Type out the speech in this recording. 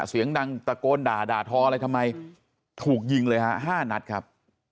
เสียงดังตะโกนด่าด่าทออะไรทำไมถูกยิงเลยฮะ๕นัดครับ